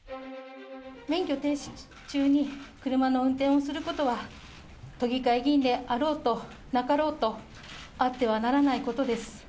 免許停止中に車の運転をすることは、都議会議員であろうとなかろうと、あってはならないことです。